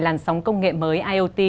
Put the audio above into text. làn sóng công nghệ mới iot